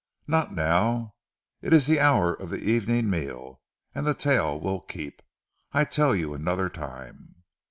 "Not now. It is ze hour of ze evening meal; an' ze tale will keep. I tell you anoder time."